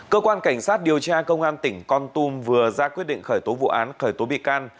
cơ quan cảnh sát điều tra công an tỉnh con tum vừa ra quyết định khởi tố vụ án khởi tố bị can